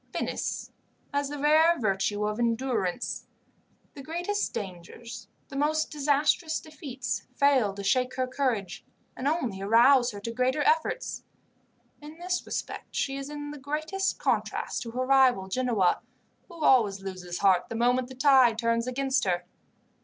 "Venice has the rare virtue of endurance the greatest dangers, the most disastrous defeats, fail to shake her courage, and only arouse her to greater efforts. In this respect she is in the greatest contrast to her rival, Genoa, who always loses heart the moment the tide turns against her.